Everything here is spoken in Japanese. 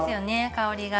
香りが。